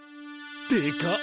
でかっ！